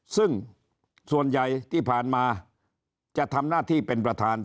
ซึ่งส่วนใหญ่ที่ผ่านมาจะทำหน้าที่เป็นประธาน